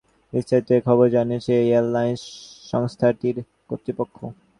আজ রোববার এক সংবাদ বিজ্ঞপ্তিতে এ খবর জানিয়েছে এয়ারলাইনস সংস্থাটির কর্তৃপক্ষ।